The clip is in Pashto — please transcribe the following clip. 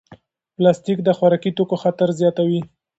پلاستیک د خوراکي توکو خطر زیاتوي.